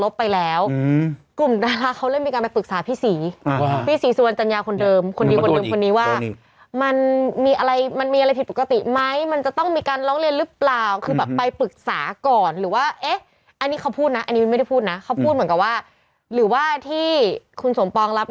แต่พี่เชื่อแต่วันนี้คุณเอาขึ้นไปข้างบนเนี่ยขยะขึ้นไปข้างบน